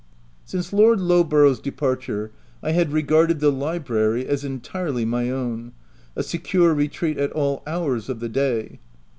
Since Lord Lowborough's departure, I had regarded the library as entirely rny own, a secure retreat at all hours of the day.